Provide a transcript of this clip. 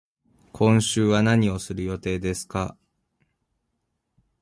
今週は何をする予定ですか